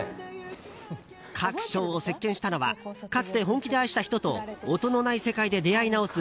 各賞を席巻したのはかつて本気で愛した人と音のない世界で出会い直す